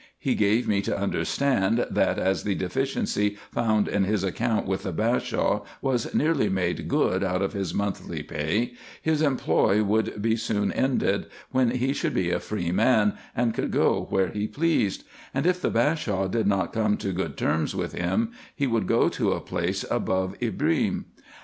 He gave me to understand, that as the deficiency found in his account with the Bashaw was nearly made good out of his monthly pay, his employ would be soon ended, when he should be a free man, and could go where he pleased ; and if the Bashaw did not come to good terms with him, he would go to a place above Ibrim.